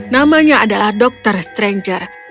namanya adalah dr stranger